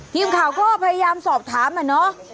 ทีมข่าวก็พยายามสอบถามอะเนาะ